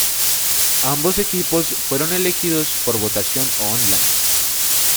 Ambos equipos fueron elegidos por votación on-line.